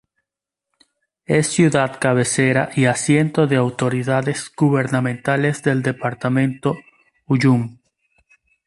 Es ciudad cabecera y asiento de autoridades gubernamentales del departamento Ullum.